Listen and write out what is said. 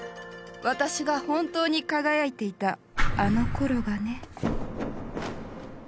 私が本当に輝いていたあのころがね。